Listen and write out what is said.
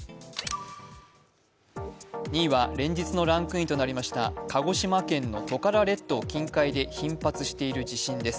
２位は連日のランクインとなりました、鹿児島県のトカラ列島金塊で頻発している地震です。